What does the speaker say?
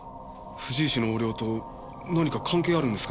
藤石の横領と何か関係あるんですかね？